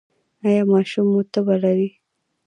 ایا ماشوم مو تبه لري؟